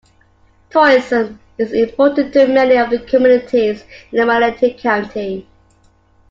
Tourism is important to many of the communities in Marinette County.